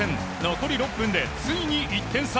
残り６分でついに１点差。